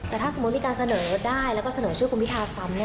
แต่ถ้าสมมุติมีการเสนอได้แล้วก็เสนอชื่อคุณพิทาซ้ำ